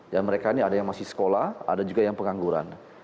ya mereka ini ada yang masih sekolah ada juga yang pengangguran